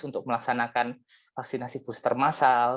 untuk melaksanakan vaksinasi booster masal